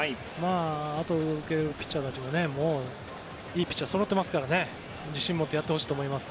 後を受けるピッチャーたちもいいピッチャーがそろっているので自信をもってやってほしいと思います。